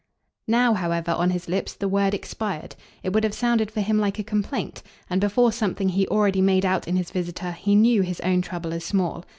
Now, however, on his lips, the word expired. It would have sounded for him like a complaint, and before something he already made out in his visitor he knew his own trouble as small.